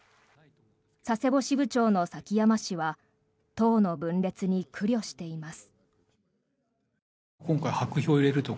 佐世保支部長の崎山氏は党の分裂に苦慮しています。